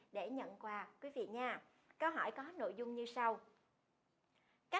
để nhận quà quý vị nha